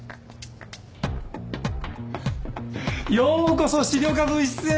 ようこそ資料課分室へ！